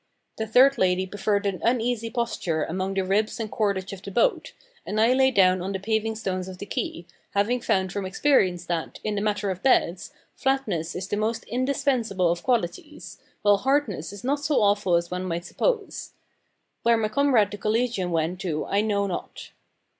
The third lady preferred an uneasy posture among the ribs and cordage of the boat, and I lay down on the paving stones of the quay, having found from experience that, in the matter of beds, flatness is the most indispensable of qualities, while hardness is not so awful as one might suppose. Where my comrade the collegian went to I know not.